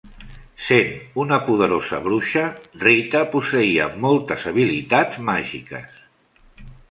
Sent una poderosa bruixa, Rita posseïa moltes habilitats màgiques.